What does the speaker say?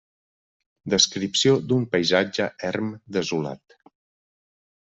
Descripció d'un paisatge erm desolat.